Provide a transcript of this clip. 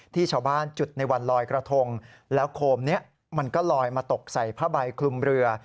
ที่ชาวบ้านจุดในวันลอยกระทงแล้วโคมนี้มันก็ลอยมาตกใส่ผ้าใบคลุมเรือ